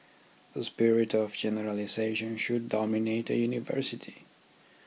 The spirit of generalization should dominate a University.